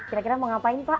kira kira mau ngapain pak